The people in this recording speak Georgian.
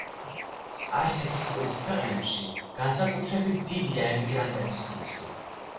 სპარსეთის ყურის ქვეყნებში, განსაკუთრებით დიდია ემიგრანტების რიცხვი.